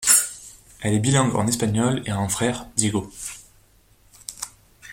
Elle est bilingue en espagnol et a un frère, Diego.